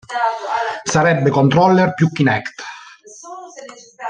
Sarebbe controller più Kinect.